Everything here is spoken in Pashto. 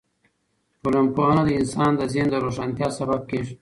ټولنپوهنه د انسان د ذهن د روښانتیا سبب کیږي.